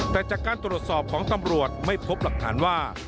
แต่จากการตรวจสอบของตำรวจไม่พบหลักฐานว่า